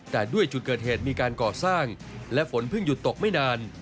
แต่ด้วยจุดเกิดเหตุมีการก่อสร้างและฝนเพิ่งหยุดตกไม่นาน